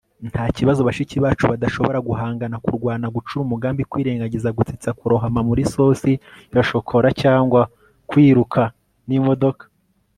nta kibazo bashiki bacu badashobora guhangana, kurwana, gucura umugambi, kwirengagiza, gusetsa, kurohama muri sosi ya shokora, cyangwa kwiruka n'imodoka